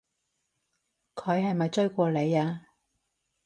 佢係咪追過你啊？